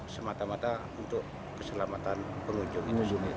semata mata untuk keselamatan pengunjung